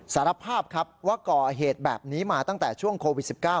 สารภาพครับว่าก่อเหตุแบบนี้มาตั้งแต่ช่วงโควิด๑๙